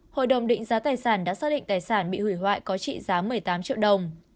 hội đồng định giá tài sản đã xác định tài sản bị hủy hoại có trị giá một mươi tám triệu đồng